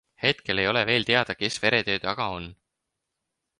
Hetkel ei ole veel teada, kes veretöö taga on.